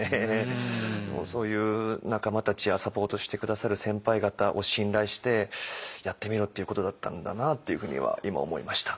そういう仲間たちやサポートして下さる先輩方を信頼してやってみろっていうことだったんだなっていうふうには今思いました。